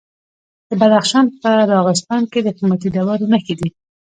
د بدخشان په راغستان کې د قیمتي ډبرو نښې دي.